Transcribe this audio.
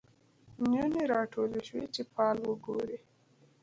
نجونې راټولي شوی چي فال وګوري